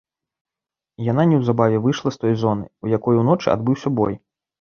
І яна неўзабаве выйшла з той зоны, у якой уночы адбыўся бой.